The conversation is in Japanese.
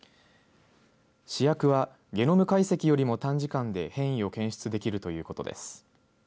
試薬は、ゲノム解析よりも短時間で変異を検出できるということです。